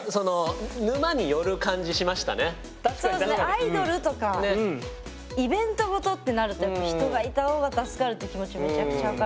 アイドルとかイベントごとってなるとやっぱ人がいた方が助かるって気持ちめちゃくちゃ分かる。